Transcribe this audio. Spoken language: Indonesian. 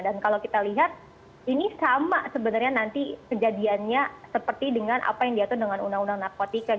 dan kalau kita lihat ini sama sebenarnya nanti kejadiannya seperti dengan apa yang diatur dengan undang undang narkotika